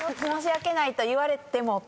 「申し訳ない」と言われても。